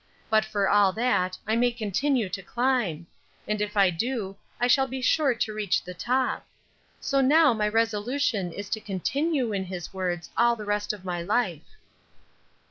But for all that I may continue to climb; and if I do I shall be sure to reach the top. So now my resolution is to 'continue' in his words all the rest of my life."